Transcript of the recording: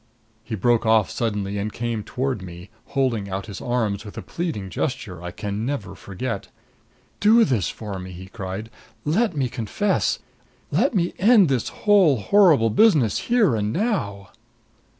He broke off suddenly and came toward me, holding out his arms with a pleading gesture I can never forget. "Do this for me!" he cried. "Let me confess! Let me end this whole horrible business here and now."